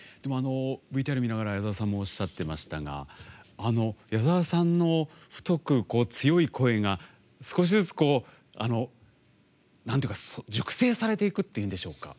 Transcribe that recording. ＶＴＲ見ながら矢沢さんもおっしゃってましたが矢沢さんの太く強い声が少しずつ熟成されていくっていうんでしょうか。